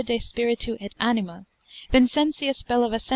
de Spiritu et Anima, Vincentius Bellavic.